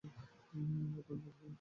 ওহ, ধন্যবাদ, হিউ।